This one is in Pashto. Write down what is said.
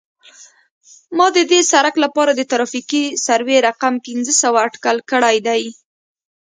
ما د دې سرک لپاره د ترافیکي سروې رقم پنځه سوه اټکل کړی دی